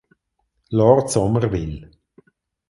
Lord Somerville.